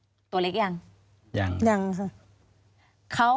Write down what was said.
ควิทยาลัยเชียร์สวัสดีครับ